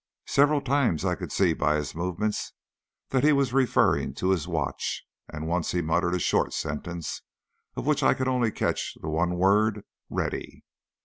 Several times I could see by his movements that he was referring to his watch, and once he muttered a short sentence, of which I could only catch the one word "ready."